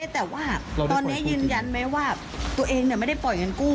แต่ว่าตอนนี้ยืนยันไหมว่าตัวเองไม่ได้ปล่อยเงินกู้